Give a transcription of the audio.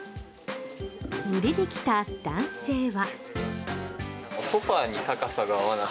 売りに来た男性は。